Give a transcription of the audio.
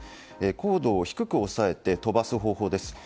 高度を低く抑えて飛ばす方法です。